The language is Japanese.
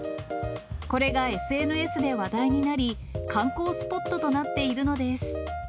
これがＳＮＳで話題になり、観光スポットとなっているのです。